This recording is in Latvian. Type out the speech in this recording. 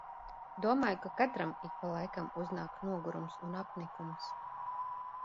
Domāju, ka katram ik pa laikam uznāk nogurums un apnikums.